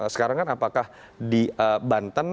sekarang kan apakah di banten